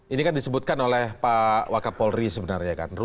ini kan disebutkan oleh pak wakapolri sebenarnya kan